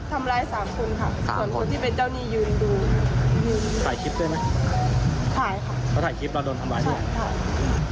ทำร้าย๓คนค่ะส่วนคนที่เป็นเจ้านี้ยืนดู